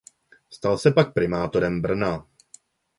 Stal se pak primátorem Brna.